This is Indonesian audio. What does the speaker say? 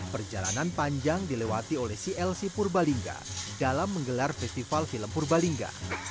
perjalanan panjang dilewati oleh clc purbalingga dalam menggelar festival film purbalingga